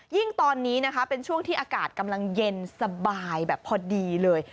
ยิ่งตอนนี้นะคะเป็นช่วงที่อากาศกำลังเย็นสบายแบบพอดีเลย